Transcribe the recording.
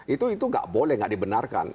itu tidak boleh tidak dibenarkan